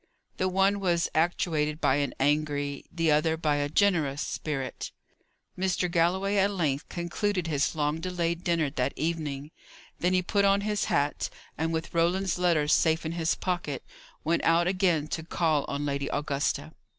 The one was actuated by an angry, the other by a generous spirit. Mr. Galloway at length concluded his long delayed dinner that evening. Then he put on his hat, and, with Roland's letter safe in his pocket, went out again to call on Lady Augusta.